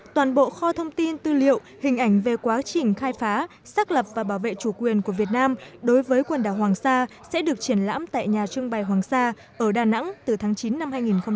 toàn bộ kho thông tin tư liệu hình ảnh về quá trình khai phá xác lập và bảo vệ chủ quyền của việt nam đối với quần đảo hoàng sa sẽ được triển lãm tại nhà trưng bày hoàng sa ở đà nẵng từ tháng chín năm hai nghìn một mươi tám